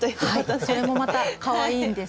それもまたかわいいんです。